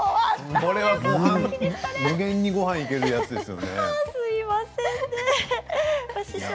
これは無限にごはんがいけるやつですよ。